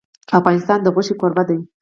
افغانستان د غوښې کوربه دی.